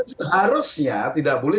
seharusnya tidak boleh